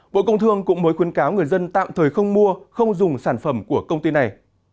bộ công thương cũng mới khuyến cáo người dân tạm thời không mua không dùng sản phẩm của công ty này